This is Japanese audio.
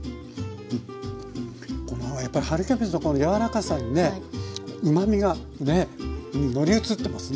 やっぱり春キャベツの柔らかさにねうまみがね乗り移ってますね。